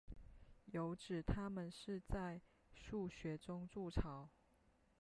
有指它们是在树穴中筑巢。